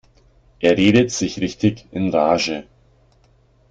Er redet sich richtig in Rage.